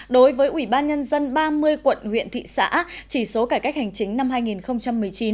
đối với ủy ban nhân dân ba mươi quận huyện thị xã chỉ số cải cách hành chính năm hai nghìn một mươi chín